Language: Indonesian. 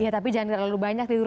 tapi jangan terlalu banyak tidur